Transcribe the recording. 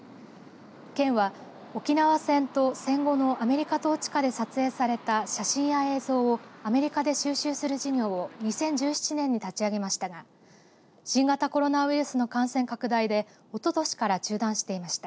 県は沖縄戦と戦後のアメリカ統治下で撮影された写真や映像をアメリカで収集する事業を２０１７年に立ち上げましたが新型コロナウイルスの感染拡大でおととしから中断していました。